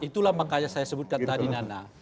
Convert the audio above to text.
itulah makanya saya sebutkan tadi nana